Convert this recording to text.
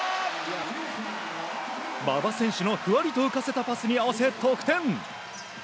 馬場選手のふわりと浮かせたパスに合わせ、得点！